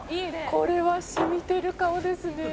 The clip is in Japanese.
「これは染みてる顔ですね」